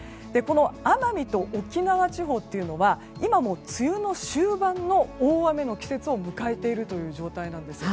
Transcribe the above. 奄美と沖縄地方というのは今、梅雨の終盤の大雨の季節を迎えている状態なんです。